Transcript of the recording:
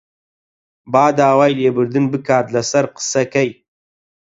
با داوای لێبوردن بکات لەسەر قسەکەی